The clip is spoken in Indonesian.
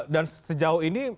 dan sejauh ini